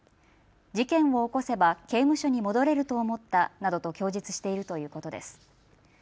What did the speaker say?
事件を起こせば刑務所に戻れると思ったなどと供述しているということです。